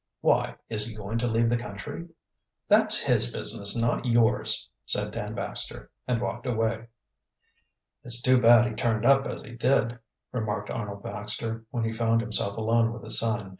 "Why? Is he going to leave the country?" "That's his business, not yours," said Dan Baxter, and walked away. "It's too bad he turned up as he did," remarked Arnold Baxter, when he found himself alone with his son.